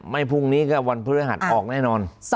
พรุ่งนี้ก็วันพฤหัสออกแน่นอน